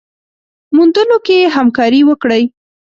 موندلو کي يې همکاري وکړئ